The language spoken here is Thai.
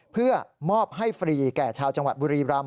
เพื่อมอบให้ฟรีแก่ชาวจังหวัดบุรีรำ